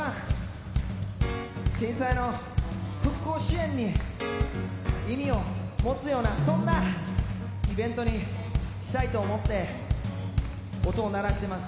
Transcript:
震災の復興支援に意味を持つようなそんなイベントにしたいと思って音を鳴らしてます。